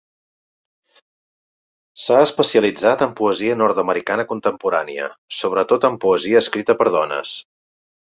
S'ha especialitzat en poesia nord-americana contemporània, sobretot en poesia escrita per dones.